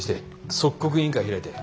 即刻委員会開いて。